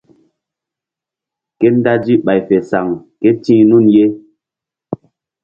Ke dazi bay fe saŋ kéti̧h nun ye.